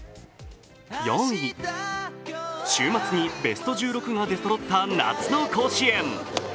４位、週末にベスト１６が出そろった夏の甲子園。